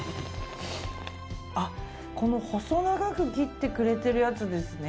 この細長く切ってくれているやつですね。